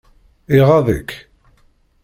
Iɣaḍ-ik?